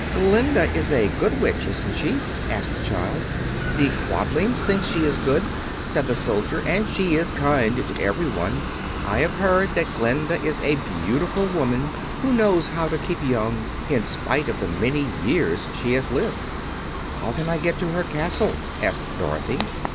"Glinda is a Good Witch, isn't she?" asked the child. "The Quadlings think she is good," said the soldier, "and she is kind to everyone. I have heard that Glinda is a beautiful woman, who knows how to keep young in spite of the many years she has lived." "How can I get to her castle?" asked Dorothy.